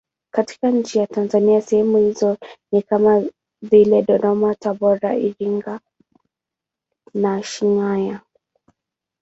Katika nchi ya Tanzania sehemu hizo ni kama vile Dodoma, Tabora, Iringa, Shinyanga.